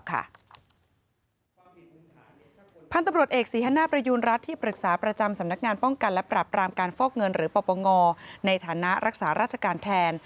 พันธุ์ตำรวจเอกศรีฮนาประยูณรัฐที่ปรึกษาประจำสำนักงานป้องกันและปรับรามการฟอกเงินหรือปปงในฐานะรักษาราชการแทน